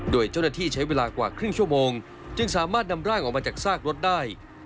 โดยเจ้าหน้าที่ใช้เวลากว่าครึ่งชั่วโมงจึงสามารถนำร่างออกมาจากซากรถได้